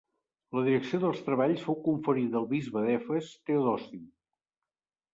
La direcció dels treballs fou conferida al bisbe d'Efes, Teodosi.